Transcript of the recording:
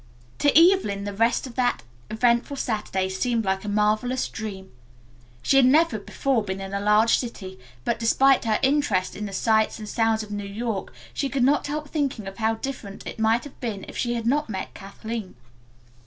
To Evelyn the rest of that eventful Saturday seemed like a marvelous dream. She had never before been in a large city, but despite her interest in the sights and sounds of New York she could not help thinking of how different it might all have been if she had not met Kathleen.